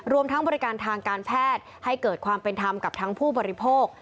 รวมทั้งบริการทางการแพทย์ให้เกิดความเป็นธรรมกับทั้งผู้บริโภค